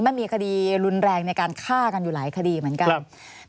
มันมีคดีรุนแรงในการฆ่ากันอยู่หลายคดีเหมือนกัน